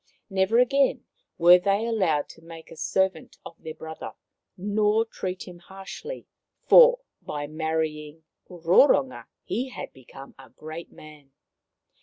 Never again were they allowed to make a servant of their brother, nor treat him harshly, for by marrying Roronga he had become a great man.